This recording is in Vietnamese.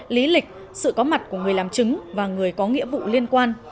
lý lịch sự có mặt của người làm chứng và người có nghĩa vụ liên quan